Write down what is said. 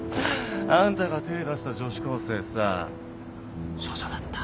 あんたが手出した女子高生さ処女だった？